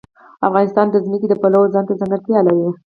افغانستان د ځمکه د پلوه ځانته ځانګړتیا لري.